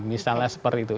misalnya seperti itu